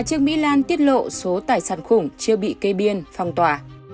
trương mỹ lan tiết lộ số tài sản khủng chưa bị kê biên phong tỏa